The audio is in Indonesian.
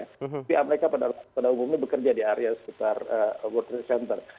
tapi mereka pada umumnya bekerja di area sekitar world trade center